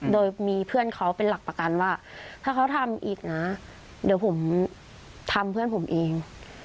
โดยมีเพื่อนเขาเป็นหลักประกันว่าถ้าเขาทำอีกนะเดี๋ยวผมทำเพื่อนผมเอง